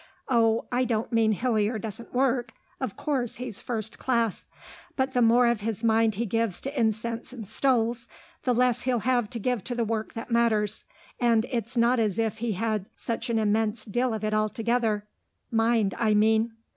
Oh, I don't mean Hillier doesn't work of course he's first class but the more of his mind he gives to incense and stoles, the less he'll have to give to the work that matters and it's not as if he had such an immense deal of it altogether mind, I mean."